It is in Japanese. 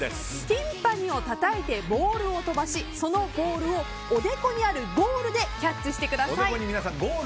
ティンパニをたたいてボールを飛ばしそのボールをおでこにあるゴールでキャッチしてください。